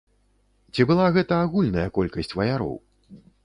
Ці была гэта агульная колькасць ваяроў?